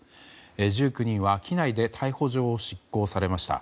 １９人は機内で逮捕状を執行されました。